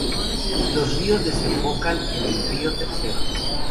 Los ríos desembocan en el río Ill.